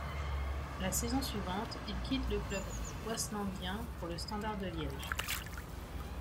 La saison suivante, il quitte le club waaslandien pour le Standard de Liège.